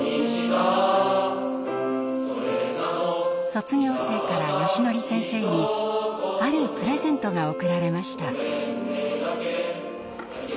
卒業生からよしのり先生にあるプレゼントが贈られました。